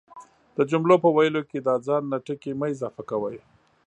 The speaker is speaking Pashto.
د جملو په ويلو کی دا ځان نه ټکي مه اضافه کوئ،